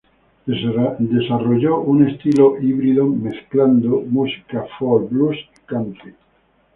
Desarrolló un estilo híbrido de la música que mezcla folk, blues y country.